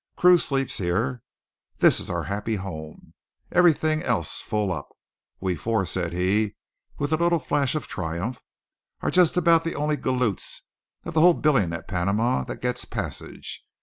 "Crew sleeps here. This is our happy home. Everything else full up. We four," said he, with a little flash of triumph, "are just about the only galoots of the whole b'iling at Panama that gets passage.